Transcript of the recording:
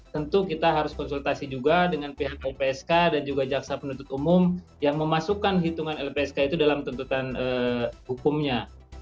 tentu kita harus konsultasi juga dengan pihak lpsk dan juga jaksa penuntut umum yang memasukkan hitungan lpsk itu dalam tuntutan hukumnya